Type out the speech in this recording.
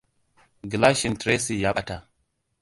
Gilashin Tracy ya ɓata.